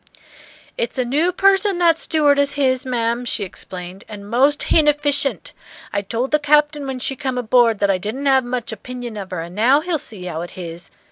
"It's a new person that stewardess h'is, ma'am," she explained, "and most h'inefficient! I told the Captain when she come aboard that I didn't 'ave much opinion of her, and now he'll see how it h'is.